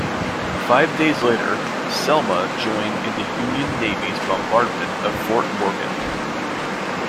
Five days later, "Selma" joined in the Union Navy's bombardment of Fort Morgan.